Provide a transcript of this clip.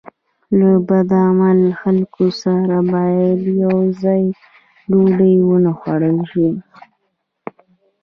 له بد عمله خلکو سره باید یوځای ډوډۍ ونه خوړل شي.